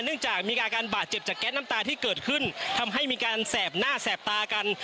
จากมีการบาดเจ็บจากแก๊สน้ำตาที่เกิดขึ้นทำให้มีการแสบหน้าแสบตากัน